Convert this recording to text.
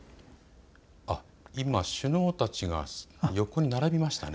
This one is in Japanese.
今、首脳たちが横に並びましたね。